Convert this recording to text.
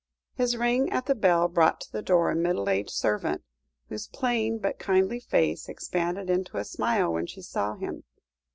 His ring at the bell brought to the door a middle aged servant, whose plain but kindly face expanded into a smile when she saw him.